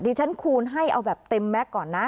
ฉันคูณให้เอาแบบเต็มแม็กซ์ก่อนนะ